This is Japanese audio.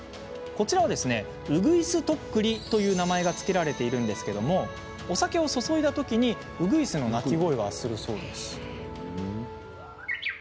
こちらはうぐいすとっくりという名前が付けられているんですがお酒を注いだときにうぐいすの鳴き声がするそうです。